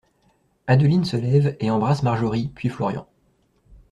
Adeline se lève et embrasse Marjorie puis Florian.